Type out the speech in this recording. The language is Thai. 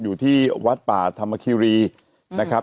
อยู่ที่วัดป่าธรรมคิรีนะครับ